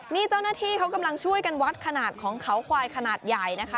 นี่เจ้าหน้าที่เขากำลังช่วยกันวัดขนาดของเขาควายขนาดใหญ่นะคะ